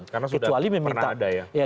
karena sudah pernah ada ya